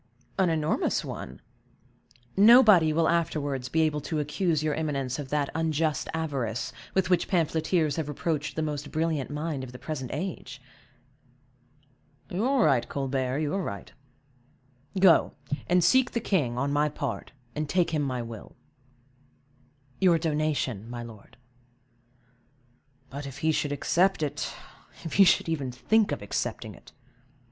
"An enormous one. Nobody will afterwards be able to accuse your eminence of that unjust avarice with which pamphleteers have reproached the most brilliant mind of the present age." "You are right, Colbert, you are right; go, and seek the king, on my part, and take him my will." "Your donation, my lord." "But, if he should accept it; if he should even think of accepting it!"